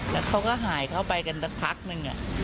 แล้วเขาก็หายเข้าไปกันสักพักนึง